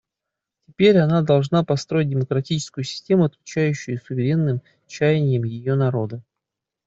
Теперь она должна построить демократическую систему, отвечающую суверенным чаяниям ее народа.